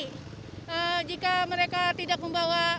jadi jika mereka tidak memakai masker